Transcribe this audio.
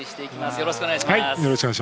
よろしくお願いします。